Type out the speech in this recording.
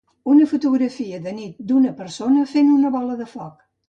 Una fotografia de nit d'una persona fent una bola de foc.